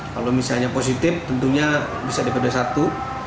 kalau misalnya positif tentunya bisa dpd satu